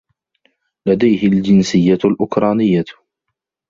لديه الجنسيّة الأوكرانيّة.